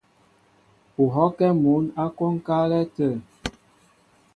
U hɔ́kɛ́ mǔn ǎ kwónkálɛ́ tə̂.